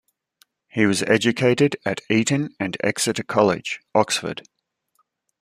He was educated at Eton and Exeter College, Oxford.